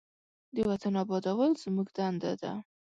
د وطن آبادول زموږ دنده ده.